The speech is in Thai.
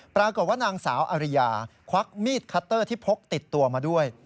ปรากฏว่านางสาวอริยาควักมีดคัตเตอร์ที่พกติดตัวมาด้วย